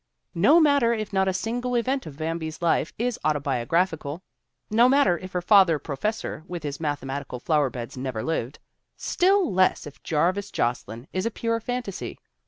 No matter if not a single event of Bambi's life is autobiographical; no matter if her Father Professor with his mathematical flowerbeds never lived ; still less if Jarvis Jocelyn is a pure fantasy.